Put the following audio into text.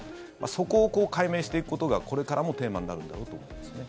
そこを解明していくことがこれからもテーマになるんだろうと思いますね。